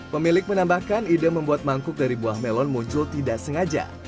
pemilik menambahkan ide membuat mangkuk dari buah melon muncul tidak sengaja